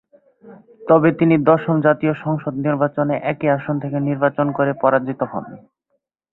তবে তিনি দশম জাতীয় সংসদ নির্বাচনে একই আসন থেকে নির্বাচন করে পরাজিত হন।